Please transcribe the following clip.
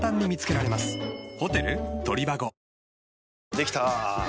できたぁ。